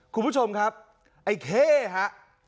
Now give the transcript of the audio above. คุณผู้ชมครับไอ้เข้ฮะ